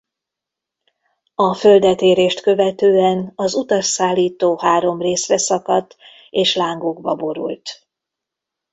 A földet érést követően az utasszállító három részre szakadt és lángokba borult.